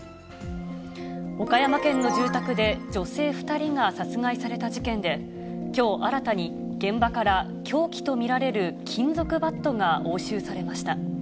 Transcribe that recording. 岡山県の住宅で女性２人が殺害された事件で、きょう、新たに現場から凶器と見られる金属バットが押収されました。